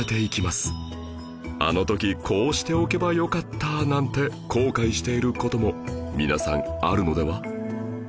あの時こうしておけばよかったなんて後悔している事も皆さんあるのでは？